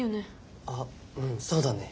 あっうんそうだね。